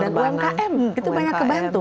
dan umkm itu banyak kebantu